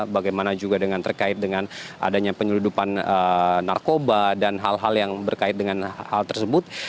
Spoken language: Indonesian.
bagaimana juga dengan terkait dengan adanya penyeludupan narkoba dan hal hal yang berkait dengan hal tersebut